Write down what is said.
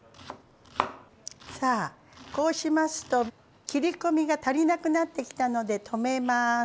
さあこうしますと切り込みが足りなくなってきたので止めます。